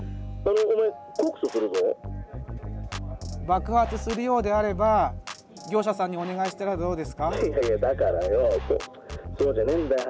爆発するようであれば業者さんにお願いしたらどうですか？